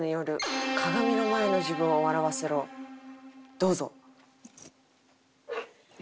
どうぞ。